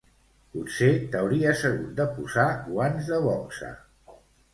Potser t'hauries hagut de posar guants de boxa.